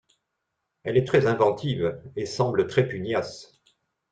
elle est très inventive et semble très pugnace.